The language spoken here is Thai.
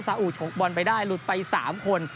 อูฉกบอลไปได้หลุดไป๓คน